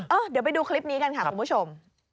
เดี๋ยวไปดูคลิปนี้กันค่ะคุณผู้ชม